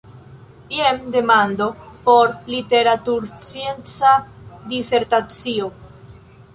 Jen demando por literaturscienca disertacio.